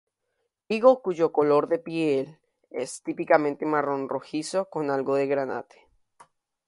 Higo cuyo color de piel es típicamente marrón rojizo con algo de granate.